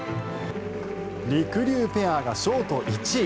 りくりゅうペアがショート１位。